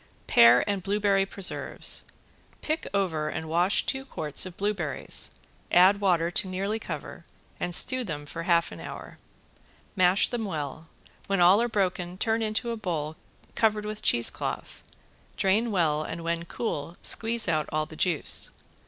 ~PEAR AND BLUEBERRY PRESERVES~ Pick over and wash two quarts of blueberries, add water to nearly cover and stew them half hour. Mash them well, when all are broken turn into a bowl covered with cheese cloth. Drain well and when cool squeeze out all the juice.